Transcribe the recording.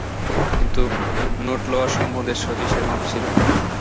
কিন্তু নোট লওয়া সম্বন্ধে শচীশের মাপ ছিল।